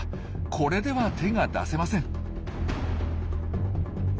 これでは手が出せません。